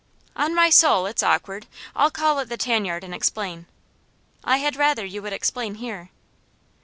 "On my soul, it's awkward I'll call at the tan yard and explain." "I had rather you would explain here."